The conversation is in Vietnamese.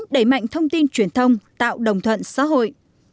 đẩy mạnh thông tin truyền thông tạo đồng thuận xã hội